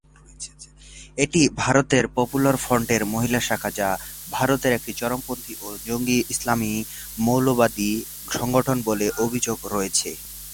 এটি ভারতের পপুলার ফ্রন্টের মহিলা শাখা, যা ভারতের একটি চরমপন্থী ও জঙ্গি ইসলামী মৌলবাদী সংগঠন বলে অভিযোগ রয়েছে।